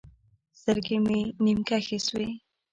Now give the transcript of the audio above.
سترګې مې نيم کښې سوې.